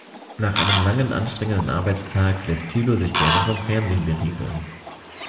Nach einem langen, anstrengenden Arbeitstag lässt Thilo sich gerne vom Fernsehen berieseln.